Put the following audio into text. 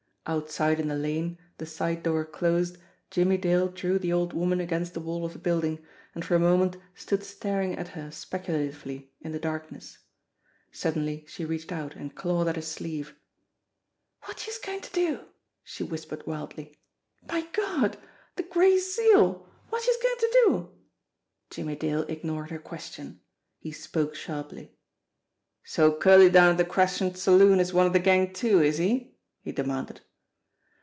Outside in the lane, the side door closed, Jimmie Dale drew the old woman against the wall of the building, and for a moment stood staring at her speculatively in the darkness. Suddenly she reached out, and clawed at his sleeve. "Wot youse goin' to do?" she whispered wildly. "My Gawd ! De Gray Seal ! Wot youse goin' to do ?" Jimmie Dale ignored her question. He spoke sharply. "So Curley down at the Crescent Saloon is one of the gang too, is he?" he demanded.